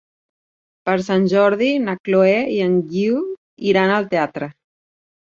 Per Sant Jordi na Chloé i en Guiu iran al teatre.